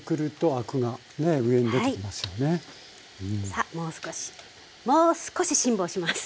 さあもう少しもう少し辛抱します。